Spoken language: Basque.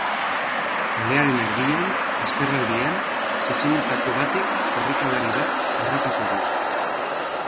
Kalearen erdian, ezkerraldean, zezenetako batek korrikalari bat harrapatu du.